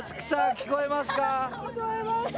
聞こえます。